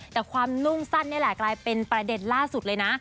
แต่ความนุ่งสั้นนี่แหละกลายเป็นประเด็นล่าสุดเลยนะ